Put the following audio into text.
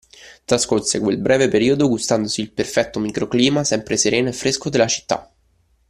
Trascorse quel breve periodo gustandosi il perfetto microclima sempre sereno e fresco della città